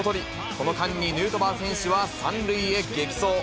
この間にヌートバー選手は３塁へ激走。